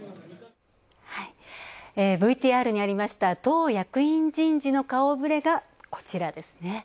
ＶＴＲにありました、党役員人事の顔ぶれがこちらですね。